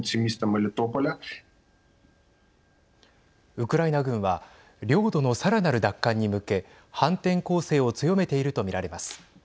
ウクライナ軍は領土のさらなる奪還に向け反転攻勢を強めていると見られます。